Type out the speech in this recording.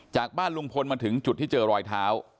จากบ้านลุงพลมาถึงจุดที่เจอรอยเท้า